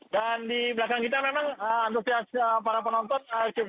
dan di belakang kita memang antusias para penonton